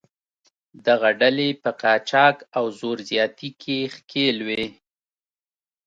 دغه ډلې په قاچاق او زور زیاتي کې ښکېل وې.